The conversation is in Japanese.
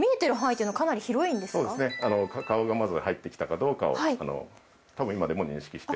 そうですね顔がまず入ってきたかどうかをたぶん今でも認識して。